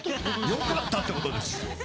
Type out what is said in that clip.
よかったってことですよ。